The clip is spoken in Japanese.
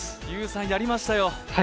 有賀優さん、やりましたよ